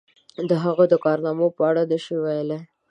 د هغوی د کارنامو په اړه نشي ویلای.